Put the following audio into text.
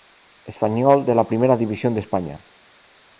Espanyol de la Primera División de España.